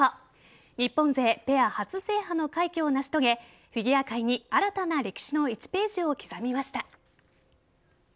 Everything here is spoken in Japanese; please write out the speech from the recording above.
日本勢ペア初制覇の快挙を成し遂げフィギュア界に新たな歴史の１ページを刻みました。